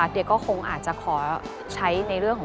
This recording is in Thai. เดี๋ยวก็คงอาจจะขอใช้ในเรื่องของ